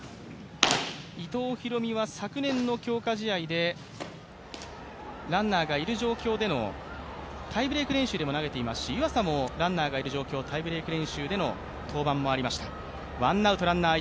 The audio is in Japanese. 伊藤大海は昨年の強化試合でランナーがいる状況でのタイブレーク練習でも投げていますし湯浅もランナーがいる状況、タイブレーク練習での登板もありました。